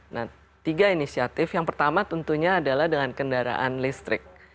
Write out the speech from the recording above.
nah tiga inisiatif yang pertama tentunya adalah dengan kendaraan listrik